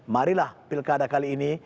marilah pilkada kali ini